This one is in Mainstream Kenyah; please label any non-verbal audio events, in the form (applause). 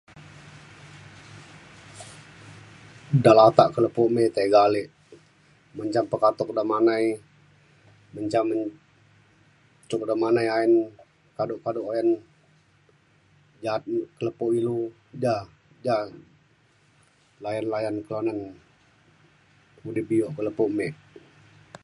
(noise) da lata kelo kumbin tiga alek, menjam pekatuk ida , pe'ngai , menjam cuk demanai ayen kado - kado oyan ja'at ke lepau ilu da -da, layan - layan kelonan mudip bi'o ka lepau mek